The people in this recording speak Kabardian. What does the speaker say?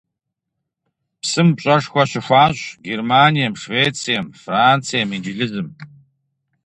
Псым пщӀэшхуэ щыхуащӀ Германием, Швецием, Францием, Инджылызым.